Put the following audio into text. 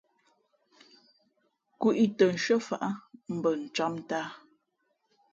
Kweʼ ī tα nshʉ́ά faʼá ncām mbα ncām ntāā.